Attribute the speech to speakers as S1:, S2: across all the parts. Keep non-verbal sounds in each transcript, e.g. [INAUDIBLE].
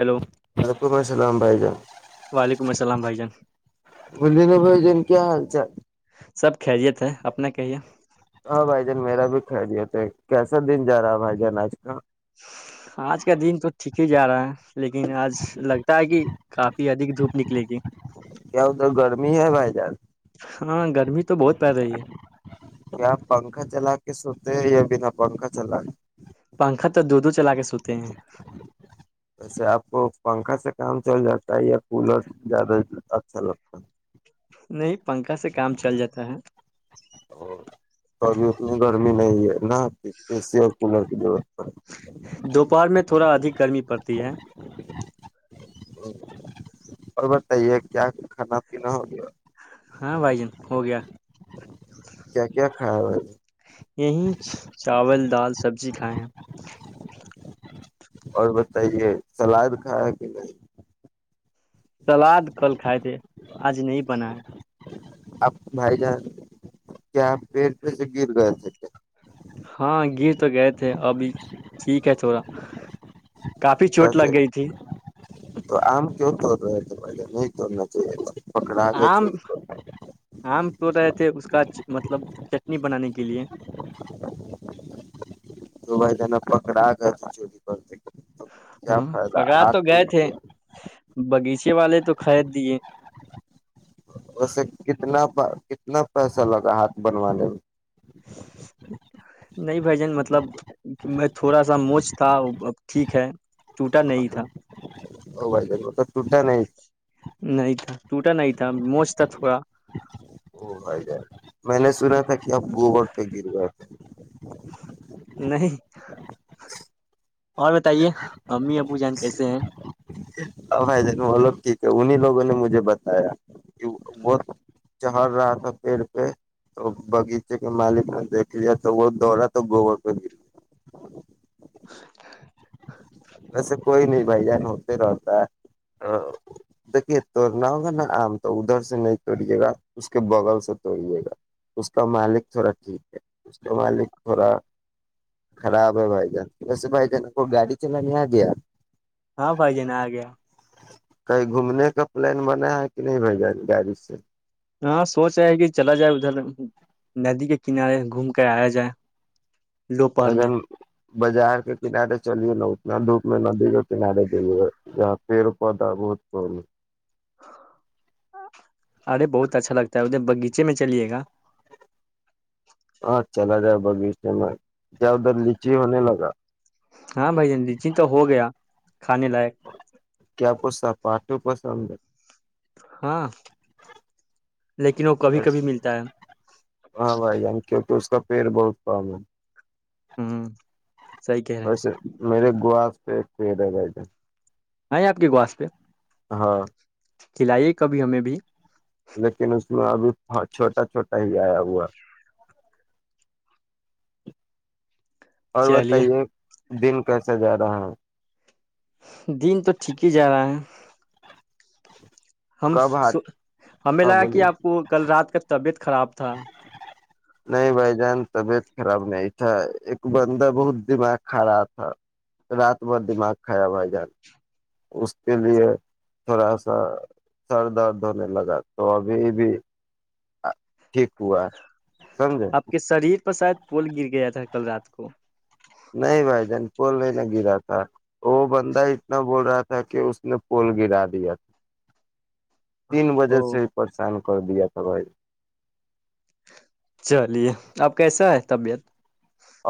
S1: hello
S2: وعلیکم السلام بھائی جان
S1: وعلیکم السلام بھائی جان
S2: بولے نا بھائی جان کیا حال چال
S1: سب خیریت اپنا کہیے
S2: ہاں بھائی جان میرا بھی خیرییت ہے کیسا دن جا رہا ہے بھائی جان آج کا
S1: ہ [INAUDIBLE] [UNINTELLIGIBLE] لیکن آج لگتا ہے کہ کافی ادک دھوپ نکلے گی
S2: کیا ہو تو گرمی ہے بھائی جار
S1: ہاں گرمی تو بہت پ رہی ہے
S2: کیا پنکھا چلا کے سوتے ہیں یا بنا پنکھا چلا
S1: پنکھا تو د دھ چلا کے سوتے ہیں
S2: ویسے آپ کو پنکھا سے کام چل جاتا ہے یا کولر زیادہ اچھا لگتا ہے
S1: نہیں پنکھا سے کام چل جاتا ہے
S2: اور ابھی اتنی گرمی نہیں ہے نہ ای س اور کولر کی وا
S1: دوپہر میں تھوڑا ادھک گرمی پڑتی ہے
S2: اور بتائیے کیا کھانا پینا ہو گیا
S1: ہاں بھائی جن ہو گیا
S2: کیا کیا کھایا ہو
S1: یہی چاول دال سبزی کھائے ہیں
S2: اور بتائیے سلاد کھایا کہ نہیں
S1: سلاد کل کھائے تھے آج نہیں بنا ہے
S2: آپ بھائی جان کیا پیڑ پ سے گر گئے تھے کیا
S1: ہاں گر تو گئے تھے ابھی ٹھیک ہے تھوڑا کافی چوٹ لگ
S2: سے
S1: گئی تھی
S2: ت پے ن تو نہ چا [UNINTELLIGIBLE]
S1: آم آم کی رہے تھے اس کا مطلب چٹنی بنانے کے لیے
S2: ا آگتی جوولیی برتے [UNINTELLIGIBLE]
S1: ہ پکڑا تو گئے تھے
S2: گیا
S1: باغیچے والے تو خرید دیے
S2: ویسے کتنا کتنا پیسہ لگا ہاتھ بنوانے میں
S1: نہیں بھائی جن مطلب میں تھوڑا سا موج تھا اب ٹھیک ہے ٹوٹا نہیں تھا
S2: او بھائی جان وہ تو ٹوٹا نہیں
S1: نہیں تھا ٹوٹا نہیں تھا موج تھا تھوڑا
S2: سا [UNINTELLIGIBLE] کیاب گوبر پہ گر گئے تھ
S1: نہیں اور بتائیے امی ابو جان کیسے ہیں
S2: کہ انی لوگوں نے مجھے بتایا کہ وہ چڑھ رہا تھا پیڑ پہ تو باغیچے کے مالک نے دیکھ لیا تو وہ دوورا تو گوبر پہ گریا ویسے کوئی نہیں بھائی جان ہوتے رہتا ہے دیکھیے توڑنا ہوگا نا آم تو ادھر سے نہیں توڑیے گا اس کے بغل سے توڑیے گا اس کا مالک تھوڑا ٹھیک ہے اس کا مالک تھوڑا خراب ہے بھائی جان ویسے بھائی جان کو گاڑی چل م گیا [UNINTELLIGIBLE]
S1: ہاں بھائی جان آ گیا
S2: کہیں گھومنے کا پلان بنا ہے کہ نہیں بھا جائے گاڑی سے
S1: ہاں سوچ رہ ہے کہ چلا جائے ادھر ندی کے کنارے گھوم کر آیا جائے دوپہر میں
S2: وجن بازار کے کنارے چل ل ہو ن دھوپ میں ندی کے کنارے دل یہ پیڑ پودا بہت کم
S1: ہاں [UNINTELLIGIBLE] ارے بہت اچھا لگتا ہے ادھر باغیچے میں چلیے گا
S2: ہاں چلا جاؤ بگیسٹم
S1: ہاں بھائی جنڈی جی تو ہو گیا کھانے لائق
S2: پاٹو پسند
S1: ہاں لیکن وہ کبھی کبھی ملتا ہے
S2: ہاں بھائی جان کیونکہ اس کا پھر بولتا میں
S1: ہوں
S2: ویسے میرے گو پہ کوئید بد
S1: آ آپ کی گواس پہ
S2: ہاں
S1: کھلائیے کبھی ہمیں بھی
S2: لیکن اس میں ابھی چھوٹا چھوٹا ہی آیا ہوا اور
S1: چلیے
S2: بتائیے دن کیسے جا رہا ہے
S1: دن تو ٹھیک ہی جا رہا ہے ہم
S2: کب ہاتھ
S1: ہمیں
S2: ہاں
S1: لگا کہ
S2: بولیے
S1: آپ کو کل رات کا طبیعت خراب تھا
S2: نہیں بھائی جان طبیعت خراب نہیں تھا ایک بندہ بہت دماغ کھا رہا تھا رات ب دماغ کھڑا بھائی جان اس کے لیے تھوڑا سا سر درد ہونے لگا تو ابھی بھی ہاں ٹھیک ہوا سمجیں
S1: آپ کے شریر پر شاید پول گر گیا تھا کل رات کو
S2: نہیں بھائی جان پول نہیں نہ گرا تھا وہ بندہ اتنا بول رہا تھا کہ اس نے پول گرا دیا تھا تین بجے سے
S1: او
S2: ہی پریشان کر دیا تھا بھائی
S1: چلیے اب کیسا ہے طبیعت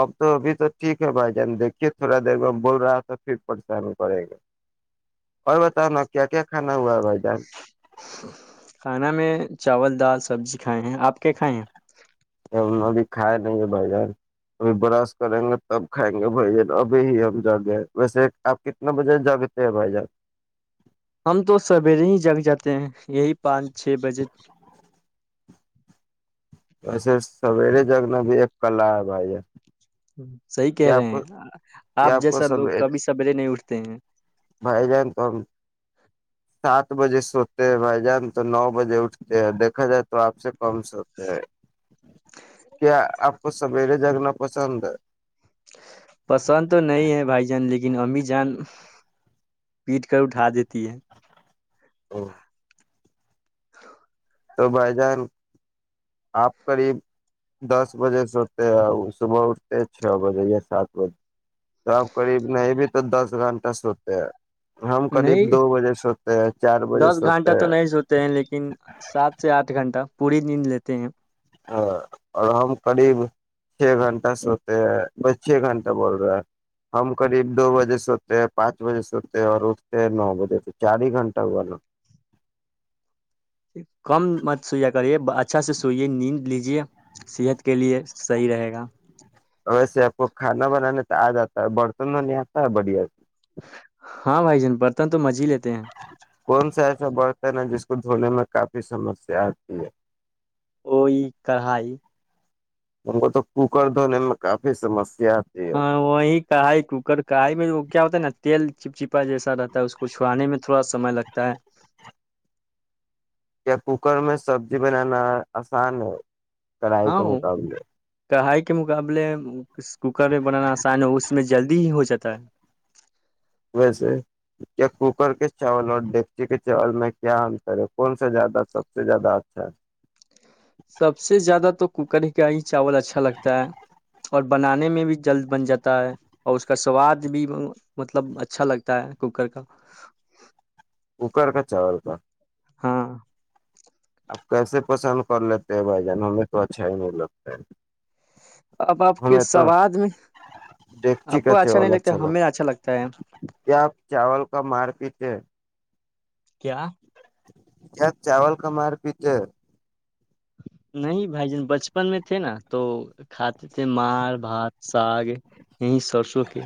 S2: اب تو ابھی تو ٹھیک ہے بھائی جان دیکھیے تھوڑا دیر میں بول رہا تھا پھر پریشانی کرے گا اور بتانا کیا کیا کھانا ہوا ہے بھائی جان
S1: کھانا میں چاول دال سبزی کھائے ہیں آپ کیا کھائے ہیں
S2: ہم ابھی کھائے نہیں گے بھائی جان اب برش کریں گے تب کھائیں گے بھائی جان ابھی ہی ہم جگ گئے ویسے آپ کتنے بجے جگتے ہیں بھائی جان
S1: ہم تو سویرے ہی جگ جاتے ہیں یہی پانچ چھ بجے
S2: ویسے سویرے جگنا بھی ایک کلا ہے بھائی
S1: ہوں [INAUDIBLE] صحی کہہ
S2: کیا
S1: رہے
S2: آپ کو
S1: ہیں آپ
S2: کیا کو
S1: جیسا لوگ
S2: سب
S1: کبھی سویرے نہیں اٹھتے ہیں
S2: بھائی جان تو ہم سات بجے سوتے ہیں بھائی جان تو نو بجے اٹھتے ہیں دیکھا جائے تو آپ سے کم سوتے ہیں کیا آپ کو سویرے جگنا پسند ہے
S1: پسند تو نہیں ہے بھائی جان لیکن لیکن امی جان پیٹ کر اٹھا دیتی ہے
S2: ہ [INAUDIBLE]
S1: ہاں [INAUDIBLE]
S2: تو بھائی جان آپ قریب دس بجے سوتے ہیں صبح اٹھتے چھ بجے یا سات بجے تو آپ قریب نہیں بھی تو دس گھنٹہ سوتے ہیں ہم قریب
S1: نہیں
S2: دو بجے سوتے ہیں چار بجے
S1: دس
S2: سوتے
S1: گھنٹہ تو
S2: ہیں
S1: نہیں سوتے ہیں لیکن سات سے آٹھ گھنٹہ پوری دن لیتے ہیں
S2: ہاں اور ہم قریب چھ گھنٹہ سوتے ہیں بس چھ گھنٹہ بول رہے ہے ہم قریب دو بجے سوتے ہیں پانچ بجے سوتے ہیں اور اٹھتے ہیں نو بجے تو چار ہی گھنٹہ ہوا نا
S1: کم مت سویا کریے اچھا سے سوئیے نیند لیجے صحت کے لیے صحیح رہے گا
S2: ویسے آپ کو کھانا بنانا تو آ جاتا ہے برتن تو نہیں آتا ہے بڑھیا سے
S1: ہاں بھائی جن پ
S2: کون سا ایسا برتن ہے جس کو دھونے میں کافی سمسیا آتی ہے
S1: وہ کڑھائی
S2: ہم کو تو کوکر دونے کافی فیمس
S1: ہاں وہی کڑھائی کوکر کڑھائی میں وہ کیا ہوتا ہے نا تیل چپ چپ کپا جیسا رہتا ہے اس کو چھووانے میں تھوڑا سمے لگتا ہے
S2: کیا کوکر میں سبزی بنانا آسان ہے کرڑائی کا
S1: ہاں وہ
S2: مقابلے
S1: کڑھائی کے مقابلے کوکر میں بنانا آسان ہو اس میں جلدی ہی ہو جاتا تا [INAUDIBLE]
S2: ویسے کیا کوکر کے چاول اور ڈگچی کے چاول میں کیا انتر ہے کون سےا زیادہ سب سے زیادہ اچھا ہے
S1: سب سے زیادہ تو کوکر کا ہی چاول اچھا لگتا ہے اور بنانے میں بھی جلد بن جاتا ہے اور اس کا سواد بھی مطلب اچھا لگتا ہے کوکر کا
S2: کوکر کا چاول کا
S1: ہاں
S2: آپ کیسے پسند کر لیتے ہیں بھائی جان ہمیں تو اچھا ہی نہیں لگتا ہے
S1: اب آپ کے
S2: ہمیں تو
S1: سواد میں
S2: ڈیکچی
S1: آپ کو
S2: کا
S1: اچھا نہیں
S2: چاول
S1: لگتا ہمیں اچھا لگتا ہے
S2: کہ
S1: کیا
S2: کیا چاول کا مار پیتے ہے
S1: نہیں بھائی جن بچپن میں تھے نا تو کھاتے تھے مار بھات ساگ یہیں سرسوں کے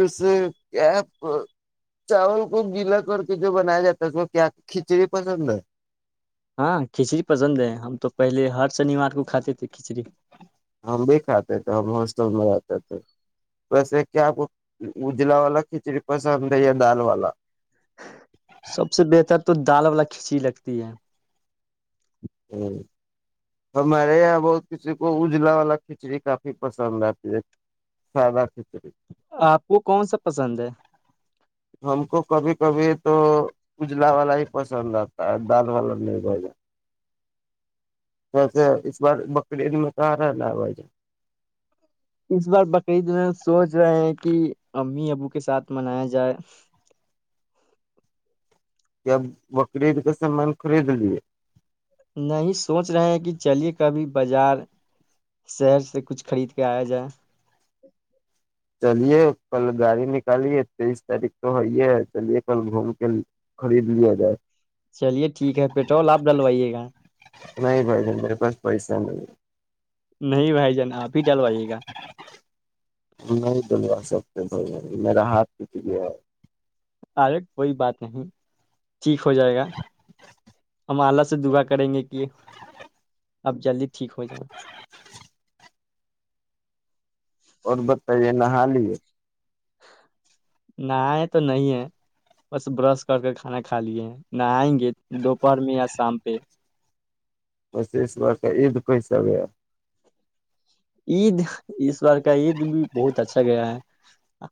S2: اس کیا چاول کو گیلا کر کے جو بنایا جاتا ہے اس کیا کھچڑی پسند ہے
S1: ہاں کھچڑی پسند ہے ہم تو پہلے ہر شنیوار کو کھاتے تھے کھچڑی
S2: ہم بھی کھاتے تھے ہم ہاسٹل میں رہتے تھے بسے کیا کو اجلا والا کھچڑی پسند ہے یا دال والا
S1: سب سے بہتر تو دال والا کھچی لگتی ہے
S2: ہ ہمارے یہاں بہت کسی کو اجلا والا کھچڑی کافی پسند آتی ہے سادہ کھچڑی
S1: آپ کو کون سا پسند ہے
S2: ہم کو کبھی کبھی تو اجلا والا ہی پسند آتا ہے دال والا نہیں ب جات [UNINTELLIGIBLE] وسے اس بار بکری عید میں کہاں رہ ن آ ج [UNINTELLIGIBLE]
S1: اس بار بقرعید میں سوچ رہے ہیں کہ امی ابو کے ساتھ منایا جائے
S2: کیاب بکرید کا سامان خرید لیے [INAUDIBLE]
S1: نہیں سوچ رہے ہیں کہ چلیے کبھی بازار شہر سے کچھ خرید کے آیا جائے [INAUDIBLE]
S2: چلیے کل گاڑی نکالیے تیئیس تاریخ تو ہےئی ہے چلیے کل گھوم کے خرید لیا جائے
S1: چلیے ٹھیک ہے پیٹرول آپ ڈلوائیے گا
S2: نہیں بھ جن میرے پاس پیسا نہیں
S1: نہیں بھائی جان آپ ہی چلوائیے گا
S2: نہیں دلوا سکتے میرا ہاتھ کچھ ل
S1: ارے کوئی بات نہیں ٹھیک ہو جائے گا ہم آلہ سے دعا کریں گے کہ اب جلدی ٹھیک ہو جائیں
S2: اور بتائیے نہا لیے
S1: نہائے تو نہیں ہے بس برش کر کے کھانا کھا لیے ہیں نہائیں گے دوپہر میں یا شام پہ
S2: بس اسس ور کا ایید کئیسا گ
S1: عید کا یہ دن بھی بہت اچھا گیا ہے اچ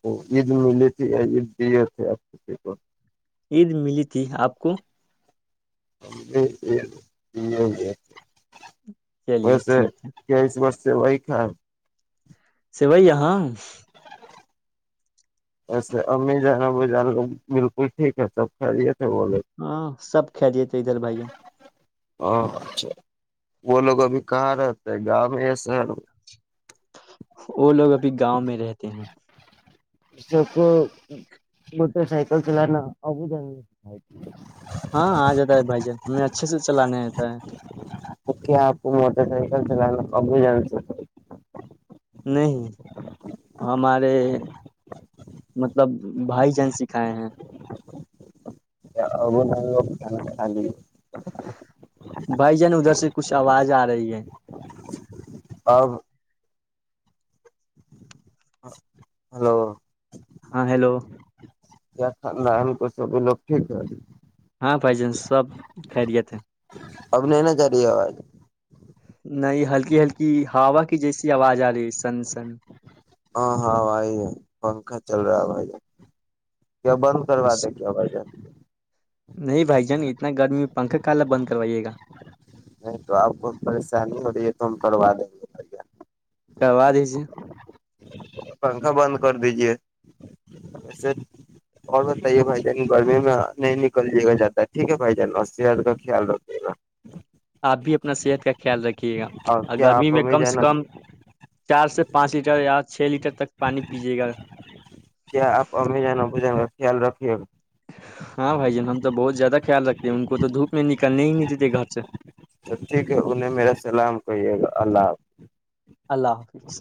S2: تو عید ملی تھی یا عید دیے تھے آپ ک کو
S1: عید ملی تھی آپ کو
S2: جی جی یہ
S1: چلیے
S2: ویسے
S1: ٹھیک ہے
S2: چئیس و سے وہی کائیں
S1: س بائی یہاں
S2: اچھا امی جانا وہ جانا بالکل ٹھیک ہے سب خا لی
S1: ہاں سب خھی دی تو ادھر بھ ج
S2: ہاں اچھا وہ لوگ ابھی کہاں رہتے ہے گاؤں میں یا شہر میں
S1: وہ لوگ ابھی گاؤں میں رہتے ہیں
S2: ش کو موٹر سائکل چلناا ا ج
S1: ہاں آ جاتا ہے بھائی جان ہمیں اچھے سے چلانے آتا ہے
S2: ابھی جان چ
S1: نہیں ہمارے مطلب بھائی جن سکھائے ہیں
S2: گو
S1: بھائی جن ادھر سے کچھ آواز آ رہی ہے
S2: اب ہلو
S1: ہاں ہیلو
S2: خاندان کو سبھی لوگ ٹھیک ہے
S1: ہاں پائ ج سب خیریت ہے
S2: اب نہیں ن کر رہی آواز
S1: نہیں ہلکی ہلکی ہووا کی جیسی آواز آ رہی ہے سن سن
S2: ہاں ہاں بھائی ہے پنکھا چل رہا ہے بھائی کیا بند کرا دے کیا ہو ب
S1: نہیں بھائی جان اتنا گرمی میں پنکھا کالا بند کروائیے گا
S2: نہیں تو آپ کو پریشانی ہو رہی ہے تو ہم کروا دیں گے بھیا
S1: کروا دیجیے
S2: پنکھا بند کر دیجیے وسے اور بتائیے بھائی جان گرمی میں نہیں نکلے گا جاتد ٹھیک ہے بھائی جان اور سحت کا خیال رکھے گا
S1: آپ بھی اپنا صحت کا خیال رکھ ے گا اور
S2: کیا
S1: گرمی
S2: آپ
S1: میں
S2: امی
S1: کم سے
S2: جان
S1: کم چار سے پانچ لیٹر یا چھ لیٹر تک پانی پییے گا
S2: کیا آپ امی ج ن ب جیں گا خیال رکھیے گ
S1: ہاں بھائی جان ہم تو بہت زیادہ خیال رکھتے ہیں ان کو تو دھوپ میں نکلنے ہی نہیں ج د گھر سے
S2: تو ٹھیک ہے انہیں میرا سلام کہیے گا اللہ
S1: اللہ حافظ